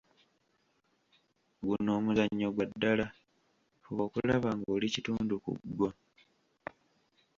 Guno omuzannyo gwa ddala, fuba okulaba ng'oli kitundu ku gwo.